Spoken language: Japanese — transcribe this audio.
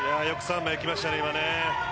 よく３枚、いきましたね。